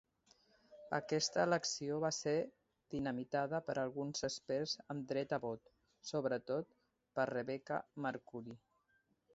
Aquesta elecció va ser dinamitada per alguns experts amb dret a vot, sobretot per Rebecca Mercuri.